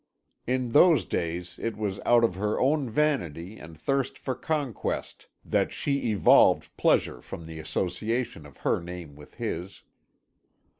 In those days it was out of her own vanity and thirst for conquest that she evolved pleasure from the association of her name with his.